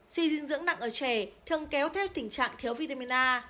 suy dinh dưỡng nặng ở trẻ thường kéo theo tình trạng thiếu vitamin a